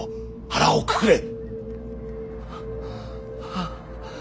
腹をくくれ！